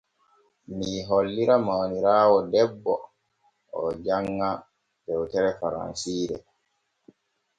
Mii hollira mawniraawo debbo oo janŋa dewtere faransiire makko.